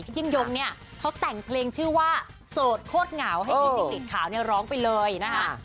พี่ยุงยงนี่เขาแต่งเพลงชื่อว่าโสดโคตรเหงาให้ดิกริดขาวร้องไปเลยนะครับ